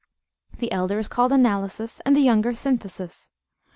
The elder is called Analysis, and the younger Synthesis.